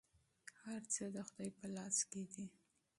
هر څه د خدای په لاس کې دي.